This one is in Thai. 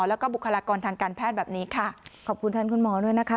แล้วก็บุคลากรทางการแพทย์แบบนี้ค่ะขอบคุณแทนคุณหมอด้วยนะคะ